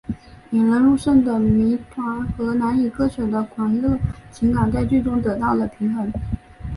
引人入胜的谜团和难以割舍的狂热情感在剧中得到了平衡的展现。